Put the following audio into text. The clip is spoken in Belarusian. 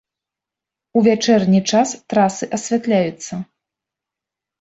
У вячэрні час трасы асвятляюцца.